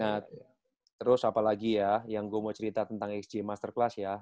nah terus apalagi ya yang gue mau cerita tentang xg masterclass ya